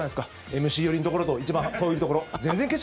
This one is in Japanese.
ＭＣ寄りのところと一番遠いところ全然、景色